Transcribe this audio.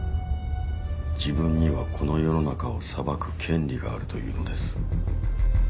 自分にはこの世の中を裁く権利があると言うのです」。